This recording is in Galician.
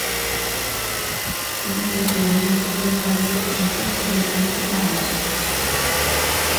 A moza entrou na Audiencia Provincial de Burgos en coche e directamente ao garaxe.